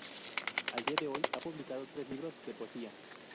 Al día de hoy, ha publicado tres libros de poesía.